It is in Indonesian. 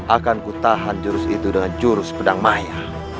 akanku tahan jurus itu dengan jurus pedang maya